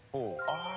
ああ！